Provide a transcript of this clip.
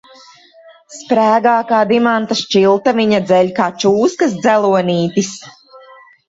Sprēgā kā dimanta šķiltaviņa, dzeļ kā čūskas dzelonītis.